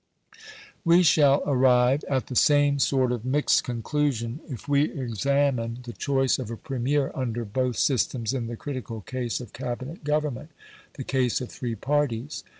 We shall arrive at the same sort of mixed conclusion if we examine the choice of a Premier under both systems in the critical case of Cabinet government the case of three parties.